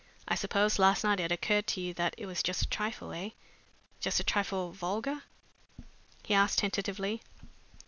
"I suppose last night it occurred to you that it was just a trifle eh? just a trifle vulgar?" he asked tentatively.